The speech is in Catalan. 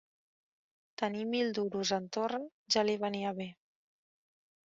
Tenir mil duros en torra ja li venia bé